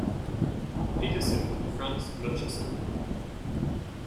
Petersen confronts Murchison.